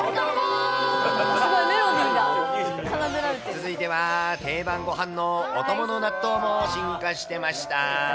続いては、定番ごはんのお供の納豆も進化してました。